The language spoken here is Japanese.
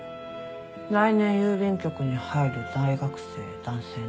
来年郵便局に入る大学生男性ね。